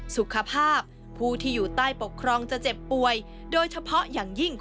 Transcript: สุขภาพผู้ที่อยู่ใต้ปกครองจะเจ็บป่วย